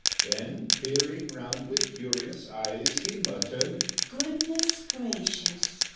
Then, peering round with curious eyes, He muttered "Goodness gracious!"